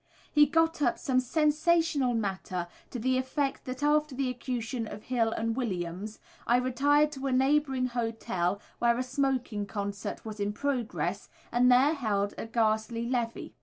He got up some sensational matter to the effect that after the execution of Hill and Williams I retired to a neighbouring hotel where a smoking concert was in progress, and there held a ghastly levee.